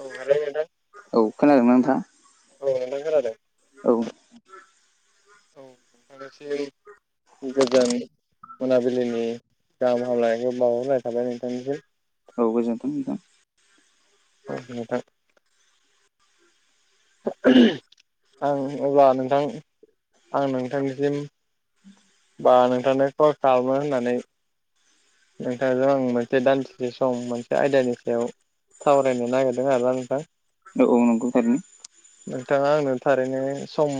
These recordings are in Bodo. औ आरो नोंथां [unintelligible] औ खोनादोंमोन नोंथां औ नोंथां खोनादों औ नोंथांनि सिम गोजोन [unintelligible] मोनाबिलिनि गाहाम हामलायनायखौ बावहरनाय थाबाय नोंथांनिसिम [unintelligible] औ गोजोन्थों नोंथां अ नोंथां आं अब्ला नोंथां आं नोंथांनिसिम बा नोंथांनो कल खालामो होननानै नोंथांजों आं मोनसे दान्सेसे सम मोनसे आयदानि सायाव सावरायनो नागिरदों आरोना नोंथां औ औ नंगौ थारैनो नोंथाङा आंनो थारैनो सम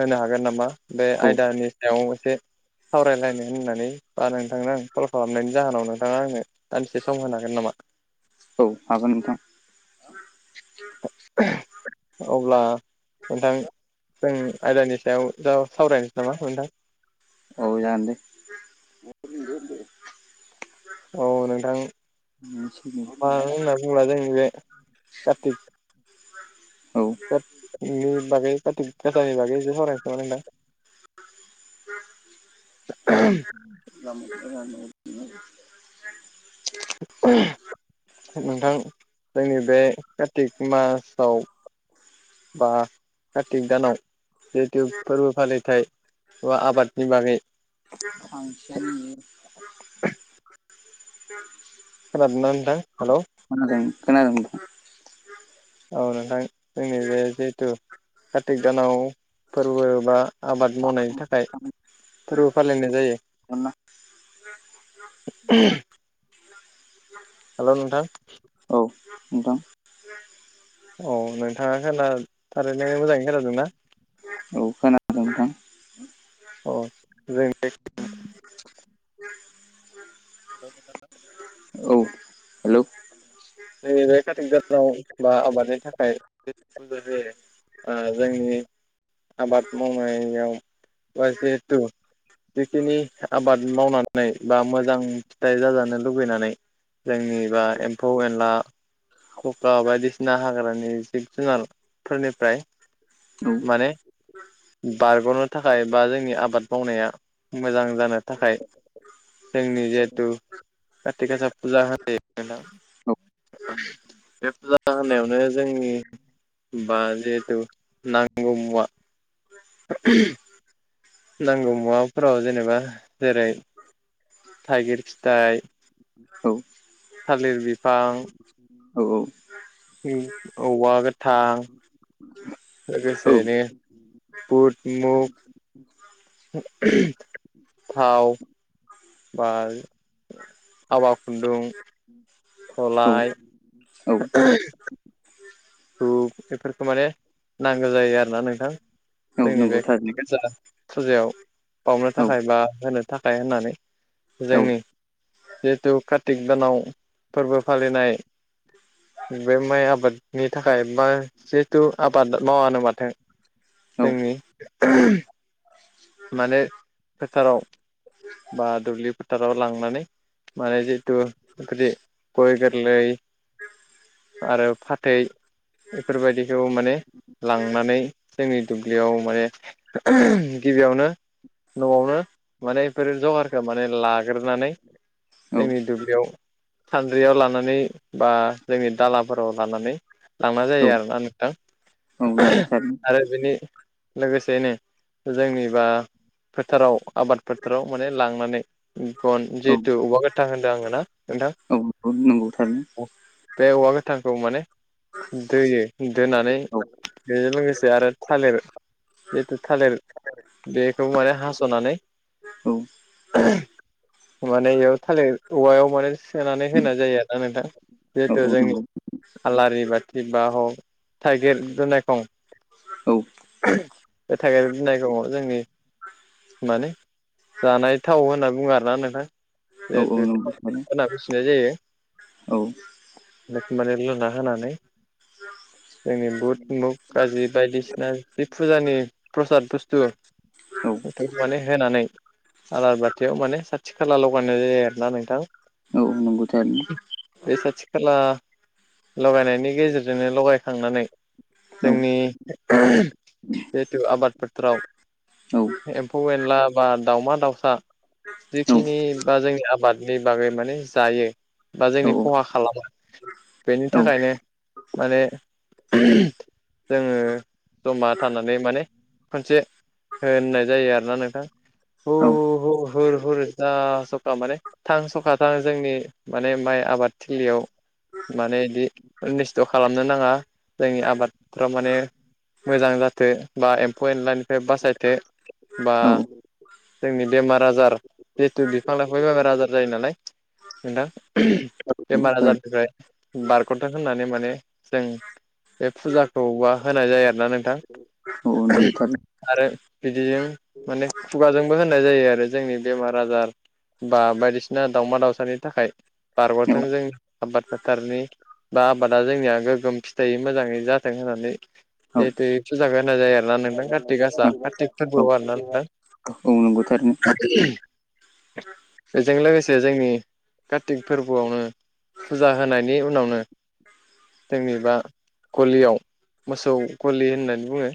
होनो हागोन नामा बे औ आयदानि सायाव मोनसे सावरायलायनो होननानै बा नोंथांनो आं कल खालामनायनि जाहोनाव नोंथाङा आंनो दानदिसे सम होनो हागोन नामा औ हागोन नोंथां अब्ला नोंथां जों आयदानि सायाव जा सावरायनोसै नामा नोंथां औ जागोन दे औ नोंथां नंला जाबाय [unintelligible] बुंला जोंनि बे कार्तिक [unintelligible] [inaudible] नि बागै खाथिख गासानि बागै एसे सावरायनोसै नामा नोंथां [inaudible] [inaudible] नोंथां जोंनि बे कातिक मासाव बा कार्तिक दानाव जिहेतु फोरबो फालिथाय बा आबादनि बागै फांसन [inaudible] खोनादों ना नोंथां हेलौ खोनादों नोंथां औ नोंथां जोंनि बे जिहेथु कारतिक दानाव फोरबो बा आबाद मावनायनि थाखाय फोरबो फालिनाय जायो [inaudible] [inaudible] हेलौ नोंथां औ नोंथां औ नोंथाङा खोना थारैनो मोजाङै खोनादों ना औ खोना औ‌ जों [unintelligible] [inaudible] औ हेलौ जोंनिजाय कातिक दानाव बा आबादनि थाखाय [unintelligible] ओ जोंनि आबाद मावनायाव बा जिहेथु जिखिनि आबाद मावनानै बा मोजां फिथाइ जाजानो लुबैनानै जोंनि बा एम्फौ एनला सखा बायदिसिना हाग्रानि जिब जुनारफोरनिफ्राय औ माने बारग'नो थाखाय बा जोंनि आबाद मावनाया मोजां जानो थाखाय जोंनि जिहेथु कातिक गासा फुजा होनाय बे फुजा होनायावनो जोंनि बा जिहेथु नांगौ मुवा नांगौ मुवाफोराव जेनेबा जेरै थाइगिर फिथाइ औ थालिर बिफां औ औ औवा गोथां औ लोगोसेनो बुट मुग थाव बा आवा खुन्दुं [inaudible] सलाय औ [inaudible] धुप बेफोरखौ माने नांगौ जायो आरोना नोंथां औ जोंनि नंगौ बे थारैनो खाथि गासा फुजायाव बावनो औ थाखाय बा होनो थाखाय होननानै औ जोंनि जिहेथु कार्तिक दानाव फोरबो फालिनाय बे माइ आबादनि थाखाय बा जिहेथु आबाद मावानो माथो औ जोंनि माने फोथाराव बा दुब्लि फोथाराव लांनानै माने जिथु [unintelligible] गय गोरलै आरो फाथै बेफोरबायदिखौ माने लांनानै जोंनि दुब्लियाव माने गिबियावनो न'आवनो माने बेफोरो जगारखौ माने लाग्रोनानै औ जोंनि दुब्लियाव सानद्रियाव लानानै बा जोंनि दालाफोराव लानानै लांना जायो आरो ना नोंथां औ नंगौ थारैनो आरो बेनि लोगोसेयैनो जोंनि बा फोथाराव आबाद फोथाराव माने लांनानै गन औ जिहेतु औवा गोथां होनदों आङो ना नोंथां औ नंगौ थारैनो बे औवा गोथारखौ माने दै दोनानै औ बेजों लोगोसे आरो थालिर जिहेथु थालिर बेखौ माने हास'नानै औ माने बेयाव थालिर औवायाव माने सोनानै होनाय जायो आरोना नोंथां औ जिहेथु औ जोंनि नंगौ आलारि बाथि बा हक थाइगिर दुनायखं औ बे थाइगिर दुनायखं जोंनि माने जानाय थाव होनना बुङो आरोना नोंथां औ औ जिहेथु नंगौ थारैनो [unintelligible] जायो औ बेखौ माने लुना होनानै जोंनि बुध मुग गाजि बायदिसिना जि फुजानि प्रसाद बुस्थु औ बेखौ माने होनानै आलार बाथियाव माने साथि खाला ल'गायनाय जायो आरो ना नोंथां आगुथारनो [unintelligible] बे साथि खाला लगायनायनि गेजेरजोंनो लगायखांनानै औ जोंनि जेथु आबाद फोथाराव औ एम्फौ एनला बा दाउमा दाउसा औ जिखिनि बा जोंनि आबादनि बागै माने जायो बा जोंनि औ खहा खालामा बेनि औ थाखायनो माने जोङो जमा थानानै माने खनसे होननाय जायो आरोना नोंथां औ हुर हुर हुर जा सखा माने थां सखा थां जोंनि माने माइ आबादथिलियाव माने बिदि निस्थ' खालामनो नाङा जोंनि आबादफ्राव माने मोजां जाथों बा एम्फौ एनलानिफ्राय बासायथो बा औ जोंनि बेमार आजार जिहेथु बिफां लाइफां बेमार आजार जायो नालाय नोंथां बेमार आजारनिफ्राय बारग'थों होननानै माने जों बे फुजाखौबा होनाय जायो आरोना नोंथां नंगौ थारैनो आरो बिदिजों माने खुगाजोंबो होननाय जायो आरो जोंनि बेमार आजार बा बायदिसिना दावमा दाावसानि थाखाय औ बारग'थों जों आबाद फोथारनि बा आबादा जोंनिया गोग्गोम फिथाइै मोजाङै जाथों होननानै औ जिहेतु एसु [unintelligible] जागोन होननाय जायो आरो ना नोंथां काति गासार औ नंगौ थारैनो बेजों लोगोसे जोंनि काति फोरबोआवनो फुजा होनायनि उनावनो जोंनि बा गलियाव मोसौ गलि होननानै बुङो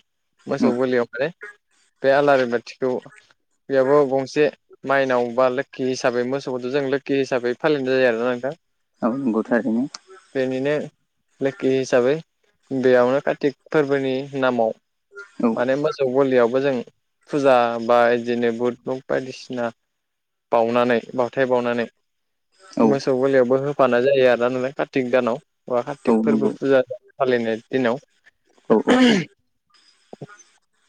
औ मोसौ गलियाव माने बे आलारि बाथिखौ बेयावाबबो गंसे माइनावबा लोक्षि हिसाबै मोसौखौथ' जों लोक्षि हिसाबै फालिनाय जायो आरोना नोंथां औ थारैनो बेनिनो लोखि हिसाबै बेयावनो कार्तिक फोरबोनि नामाव नंगौ औ माने मोसौ गलियावबो जों फुजा बा बिदिनो बुद मुग बायदिसिना बावनानै बावथाय बावनानै औ मोसौ गलियावबो होफानाय जायो आरो ना कार्तिक दानाव बा कार्तिक फोरबो फुजा फालिनाय दिनाव [inaudible]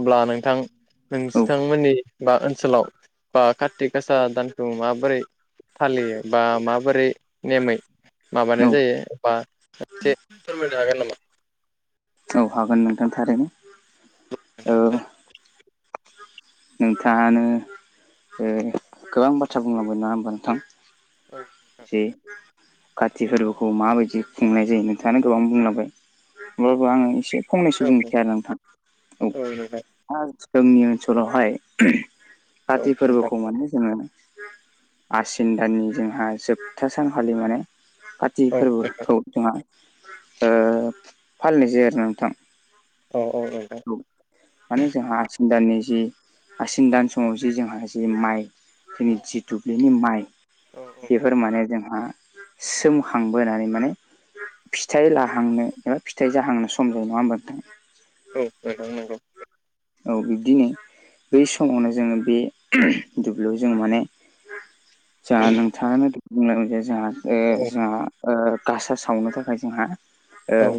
अब्ला नोंथां नोंसोथांमोननि बा ओनसोलाव बा कार्तिक गासा दानखौ माबोरै फालियो बा माबोरै नेमै माबानाय जायो एबा एसे फोरमायनो हागोन नामा अ हागोन नोंथां थारैनो औ नोंथां नोंथाङानो गोबां बाथ्रा बुंलांबाय नंङा होमबा नोंथां औ औ जे कार्तिक फोरबोखौ माबायदि खुंनाय जायो नोंथांङानो गोबां बुंलांबाय अब्लाबो आं एसे फंनैसो बुंनोसै आरो नोंथां औ नोंथां औ जोंनि ओनसोलावहाय औ कार्तिक नोंथां फोरबोखौ माने जोङो आसिन दाननि जोंहा जोबथा सानखालि माने कार्तिक औ फोरबोखौ जोंहा फालिनाय जायो आरो ना नोंथां औ नोंथां औ माने जोंहा आसिन दाननि जि आसिन दान समाव जि जोंहा जि माइ जोंनि औ जि दुब्लिनि माइ औ बेफोर माने जोंहा सोमखांबोनानै माने फिथाइ लाहांनो एबा फिथाइ जाहांनो सम जायो नङा होमबा नोंथां औ नोंथां नंगौ औ बिब्दिनो बै समावनो जोंङो बे दुब्लियाव जोंङो माने जोंहा नोंथांङानो बुंलांबाय जोंहा औ जोंहा गासा सावनो थाखाय जोंहा औ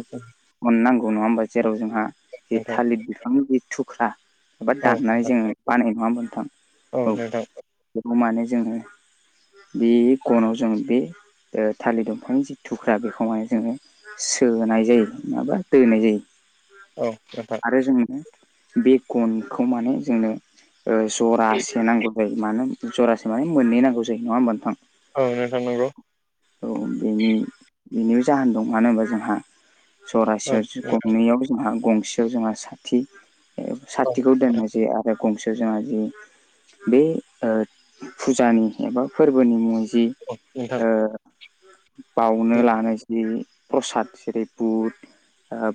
गन नांगौ नङा होमबा जेराव जोंहा बे नोंथां थालिर बिफांनि थुख्रा एबा औ दाननानै जों बानायो नङा होनबा नोंथां औ नोंथां बेखौ माने जोंङो बे गनाव जों बे थालिर दंफांनि जि थुख्रा बेखौ माने जोंङो सोनाय जायो नङाबा दोनाय जायो औ नोंथां आरो जोंनो बे गनखौ माने जोंनो जरासे नांगौ ओ मानो जरासे माने मोननै नांगौ जायो नङा होमबा नोंथां औ नोंथां नंगौ औ बेनि बेनिबो जाहोन दं मानो होनबा जोंहा औ जरासेयाव नोंथां गंनैयाव जोंहा गंसेयाव जोंहा साथि औ साथिखौ नोंथां दोननाय जि आरो गंसे जोंहा जि बे फुजानि एबा फोरबोनि मुङाव जि औ नोंथां ओ बावनो लानोसै प्रसाद जेरै बुद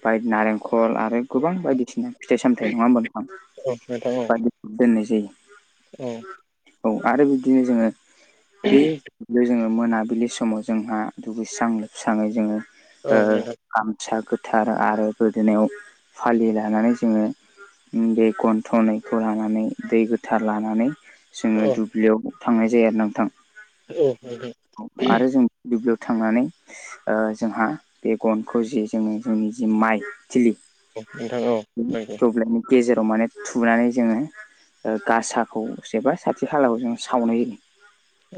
बाय नारेंखल आरो गोबां बायदिसिना फिथाइ सामथाय नङा होमबा नोंथां औ नोंथां औ बादि दोननाय जायो औ औ आरो बिदिनो जोङो बे बे जोङो मोनाबिलि समाव जोंहा दुगैस्रां लोबस्राङै जोङो औ ओ नोंथां गामसा गोथार आरो गोदोनायाव फालि लानानै जोङो बे गन्थनैखौ लानानै दै गोथार लानानै औ जोङो नोंथां दुब बियाव थांनाय जायो आरो नोंथां। औ आरो जों दुब्लियाव थांनानै ओ जोंहा बे गनखौ ज जोङो जोंनि जि माइ थिलि नोंथां औ दब्लायनि गेजेराव माने थुनानै जोङो ओ गासाखौ जबा साथि खालाखौ जों सावनाय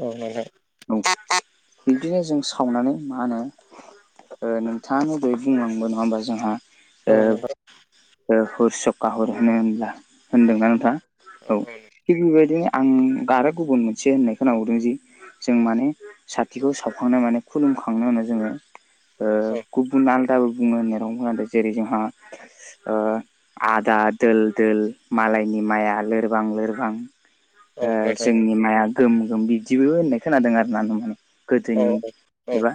औ नोंथां बिब्दिनो जों सावनानै मा होनो? ओ नोंथाङा बयै बुंलांबो नङा होमबा जोंहा ओ औ नोंथां औ हर सक हर होनो होनब्ला होनदोंना औ नोंथाङ औ थिग बेबायदि आं आरो गुबुन मोनसे होननाय खोनाहरदों जि जों माने साथिखौ सावखांनाय माने खुलुमखांनायनि उनाव जोङो ओ औ नोंथां गुबुन आलदाबो बो होनेरावदों जेरै जोंहा ओ आदा दोल दोल मालायनि माइआ लोरबां लोरबां औ ओ औ जोंनि माइाया गोम गोम बिदिबो होननाय खोनादों आर ना नोंथां। गोदोनि एबा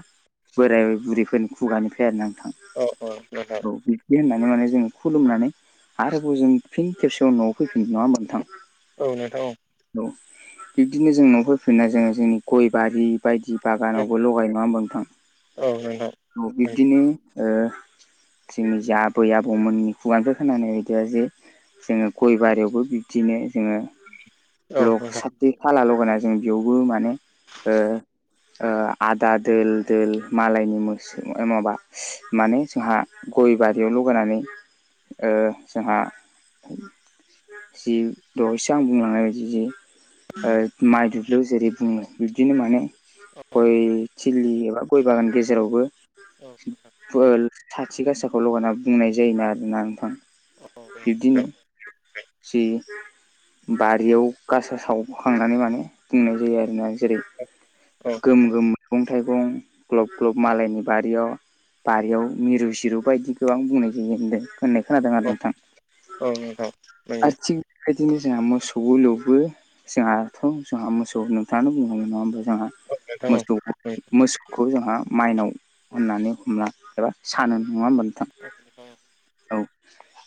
बोराय बुरैफोरनि खुगानिफ्राय आरोना। औ नोंथां बिदि होननानै माने जों खुलुमनानै आरोबाव जों फिन खेबसेयाव न'आव फैफिन नङा मोनथां औ नोंथां औ औ बिबदिनो जों न' फ फिनाय जोङो जोंनि गय बारि बायदि बागानावबो लगाय नङा होमबा नोंथां औ नोंथां औ बिब्दिनो ओ ज्रिनि जाबो आबौमोननि खुगानिफ्राय खोनानाय बायदिया जे जोङो गय बारियावबो बिब्दिनो जोङो औ ल नोंथां साथि खाला लगायना जों बेयावबो माने ओ ओ आदा दोल द मालायनि मोसौ माबा माने जोंहा गय बारियाव लगैनानै ओ जोंहा जि दहायसो आं बुंलांनाय बायदि जि माइ दुब्लियाव जेरै बुङो बिब्दिनो माने गय थिलि एबा गय बागाननि गेजेरावबो औ साथि गासाखौ लगाना बुंनाय जायोना आरोना नोंथां। बिब्दिनो जि बारियाव गासा सावखांनानै माने बुंनाय जायो आरो ना। जेरै औ गोम गोम मैगं थाइगं ग्लब ग्लब मालायनि बारियाव बारियाव मिरु सिरु बायदिखौ आं बुंनाय जायो होनदों होननाय खोनादों आरो नोंथां औ नोंथां [unintelligible] नंगौ बेबायदिनो जोंहा मोसौबो लौबो जोंहाथ' जोंहा मोसौ नोंथाङानो बुंखांबाय नङा होमब्ला जोंहा नोंथां औ मोसौ मोसौखौ जोंहा माइनाव होननानै हमना एबा सानो नङा होनबा नोंथां? औ नोंथां औ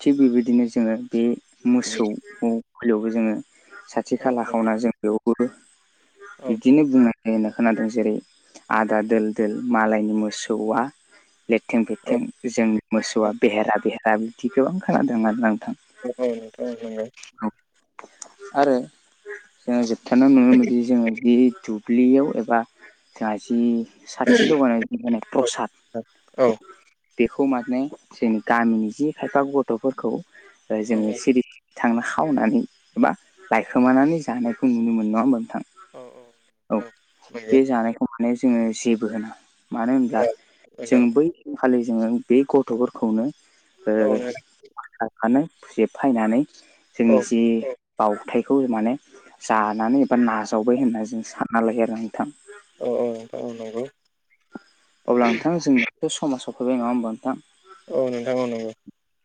थिग बेबायदिनो जोङो बे मोसौ [unintelligible] जोङो साथि खाला खावना जों बेयावबो औ बिदिनो बुंनाय होननाय खोनादों जेरै आदा दोल दोल मालायनि मोसौआ लेथें औ फेथें जोंनि मोसौआ बेहेरा बेहेरा बिदि गोबां खोनादों आरो नोंथां। औ नोंथां नंगौ औ नंगौ औ नोंथां नंगौ नोंथां औ आरो जोङो जोबथारा नुनो मोनोदि जोङो जिहिथु दुब्लियाव एबा जोंहा जि साथि औ लगानाय [unintelligible] प्रसाद औ औ नंगौ बेखौ माने जोंनि गामिनि जि खायफा गथ'फोरखौ औ नोंथां औ जोङो सिरि थांनो खावनानै एबा लायखोमानानै जानायखौ नुनो मोनो नङा होमबा नोंथां? नंगौ औ औ बे जानायखौ माने जोङो जेबो होना मानो होनब्ला जों बैखालि जोङो बे गथ'फोरखौनो [unintelligible] फायनानै जोंनि जि बावथायखौ माने जानानै एबा नाजावबाय होननानै जों सानना लायो आरो नोंथां औ औ औ नंगौ अब्ला नोंथां जोंनिथ' समा सफैबाय नङा होमबा नोंथां औ नोंथां औ नंगौ